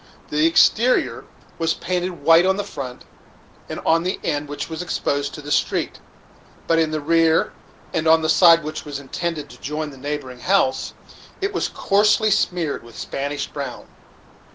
The exterior was painted white on the front and on the end which was exposed to the street; but in the rear, and on the side which was intended to join the neighboring house, it was coarsely smeared with Spanish brown.